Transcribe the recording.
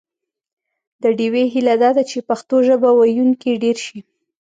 د ډیوې هیله دا ده چې پښتو ژبه ویونکي ډېر شي